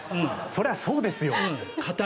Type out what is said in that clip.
それはそうですよ。